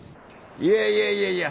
いやいやいやいや